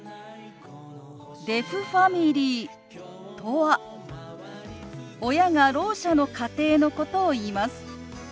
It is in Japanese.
デフファミリーとは親がろう者の家庭のことをいいます。